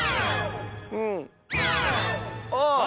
うん。ああ。